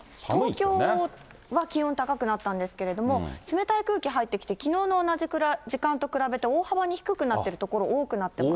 東京は気温高くなったんですけれども、冷たい空気入ってきて、きのうの同じ時間と比べて、大幅に低くなってる所、多くなっています。